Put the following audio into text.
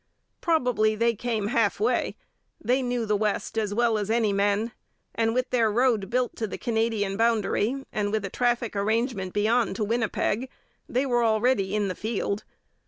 Probably they came half way. They knew the West as well as any men, and with their road built to the Canadian boundary and with a traffic arrangement beyond to Winnipeg, they were already in the field.